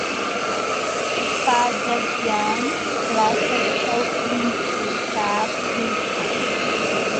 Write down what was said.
Upaallallaam plaza ćhawpinćhu taakuykan.